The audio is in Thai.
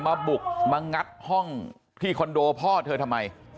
มาบุกมางัดห้องที่คอนโดพ่อเธอทำไม